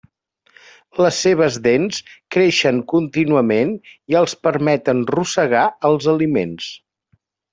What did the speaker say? Les seves dents creixen contínuament i els permeten rosegar els aliments.